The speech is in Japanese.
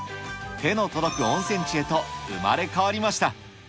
手の届く温泉地へと、生まれ変わりました。